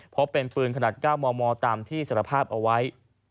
เพราะเป็นปืนขนาด๙มตามที่สัตวภาพเอาไว้